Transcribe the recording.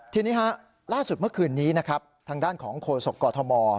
ทีนี้ล่าสุดเมื่อคืนนี้ทางด้านของโครโสกรธม